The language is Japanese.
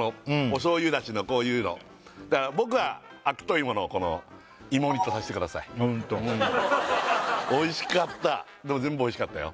お醤油出汁のこういうのだから僕は悪戸いものこの芋煮とさせてくださいあっホント美味しかった全部美味しかったよ